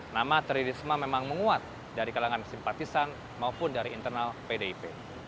nama tri risma memang menguat dari kalangan simpatisan maupun dari internal pdip